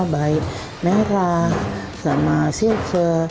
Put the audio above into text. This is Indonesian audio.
baik merah sama silver